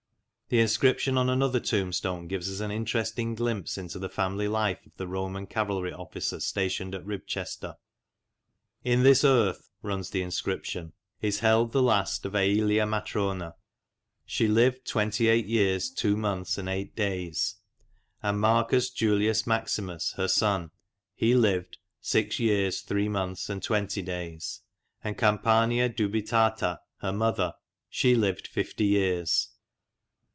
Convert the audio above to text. The inscription on another tombstone gives us an interesting glimpse into the family life of the Roman cavalry officer stationed at Ribchester. " In this earth," runs the inscription, " is held the last of Aelia Matrona, she lived 28 years 2 months and 8 days, and Marcus Julius Maximus, her son, he lived 6 years 3 months and 20 days, and Campania Dubitata, her mother, she lived 50 years.